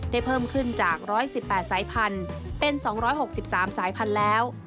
เพิ่มขึ้นจาก๑๑๘สายพันธุ์เป็น๒๖๓สายพันธุ์แล้ว